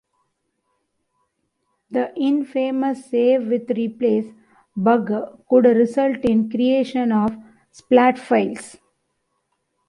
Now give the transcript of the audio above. The infamous save-with-replace bug could result in creation of splat files.